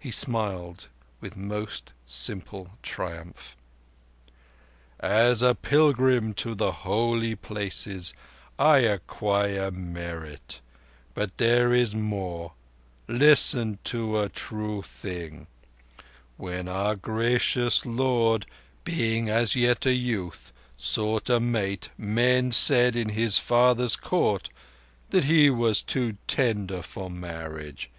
He smiled with most simple triumph. "As a pilgrim to the Holy Places I acquire merit. But there is more. Listen to a true thing. When our gracious Lord, being as yet a youth, sought a mate, men said, in His father's Court, that He was too tender for marriage.